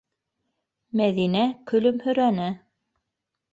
- Мәҙинә көлөмһөрәне.